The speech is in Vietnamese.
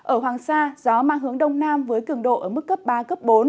ở hoàng sa gió mang hướng đông nam với cường độ ở mức cấp ba cấp bốn